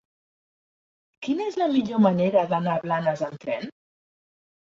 Quina és la millor manera d'anar a Blanes amb tren?